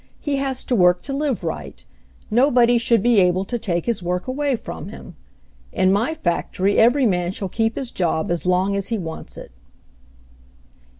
He has to work to live right. Nobody should be able to take his work away from him. In my factory every man shall keep his job as long as he wants it."